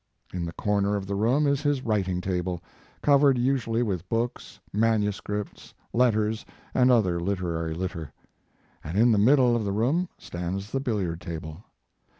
In the corner of the room is his writing table, covered usually with books, manuscripts, letters and other literary litter; and in the middle of the room stands the billiard table.